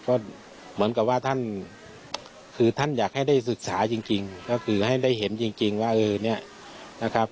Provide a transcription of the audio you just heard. ก็เหมือนกับว่าท่านคือท่านอยากให้ได้ศึกษาจริงก็คือให้ได้เห็นจริงว่าเออเนี่ยนะครับ